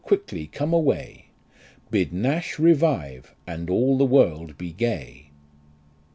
quickly come away, Bid Nash revive and all the world be gay."